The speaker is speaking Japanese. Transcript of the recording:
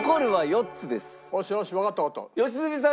良純さん